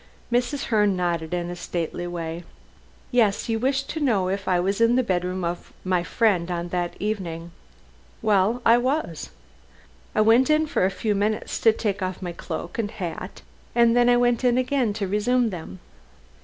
Mrs. Herne nodded in a stately way. "Yes. You wish to know if I was in the bedroom of my friend on that evening. Well, I was. I went in for a few minutes to take off my cloak and hat, and then I went in again to resume them."